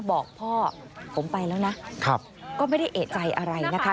บอกพ่อผมไปแล้วนะก็ไม่ได้เอกใจอะไรนะคะ